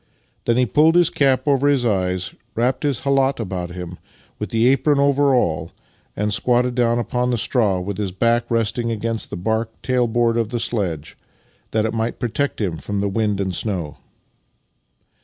Then he pulled his cap over his eyes, wrapped his khalat about him, with the a])ron over all, and squatted down upon the straw with his back resting against the bark tail board of the sledge, that it might protect him from the wind and snow.